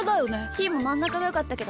ひーもまんなかがよかったけど。